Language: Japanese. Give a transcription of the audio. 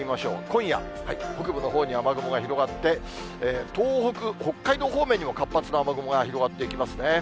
今夜、北部のほうに雨雲が広がって、東北、北海道方面にも活発な雨雲が広がっていきますね。